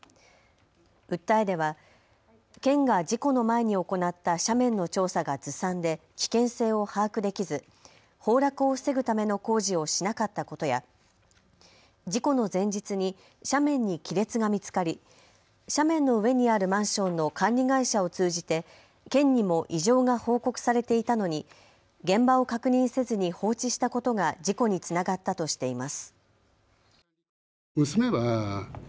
訴えでは、県が事故の前に行った斜面の調査がずさんで危険性を把握できず崩落を防ぐための工事をしなかったことや事故の前日に斜面に亀裂が見つかり、斜面の上にあるマンションの管理会社を通じて県にも異常が報告されていたのに現場を確認せずに放置したことが事故につながったとしています。